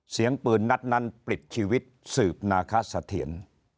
เสียงปืนนัดนั้นปลิดชีวิตสืบนาคสะเทียน